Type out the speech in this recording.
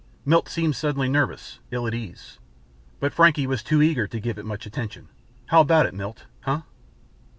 Milt seemed suddenly nervous, ill at ease. But Frankie was too eager to give it much attention. "How about it, Milt huh?"